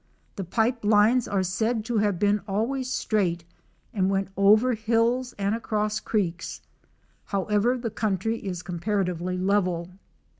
The pipe lines are said to have been always straight, and went over hills and across creeks. However, the country is comparatively level.